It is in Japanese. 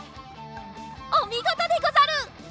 おみごとでござる！